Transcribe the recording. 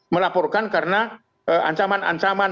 melaporkan karena ancaman ancaman